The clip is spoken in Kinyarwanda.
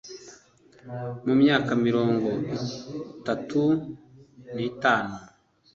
Mu myaka mirongo itatu n’itanu